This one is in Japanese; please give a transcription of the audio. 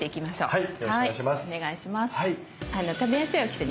はい。